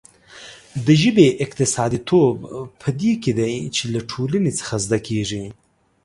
د ژبې اکتسابيتوب په دې کې دی چې له ټولنې څخه زده کېږي.